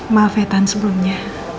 maaf ya tan sebelumnya